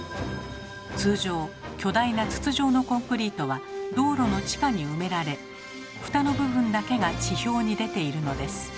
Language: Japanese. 通常巨大な筒状のコンクリートは道路の地下に埋められフタの部分だけが地表に出ているのです。